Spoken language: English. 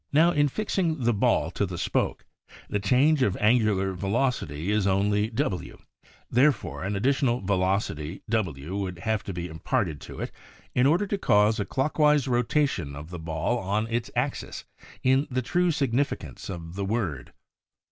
Now, in fixing the ball to the spoke, the change of angular velocity is only w ; therefore, an additional velocity « would have to be imparted to it in order to cause a clockwise rotation of the ball on its axis in the true significance of the word.